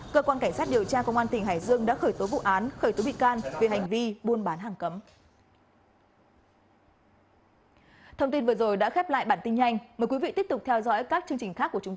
cơ quan cảnh sát điều tra công an tỉnh hải dương đã khởi tối bị can về hành vi buôn bán hàng cấm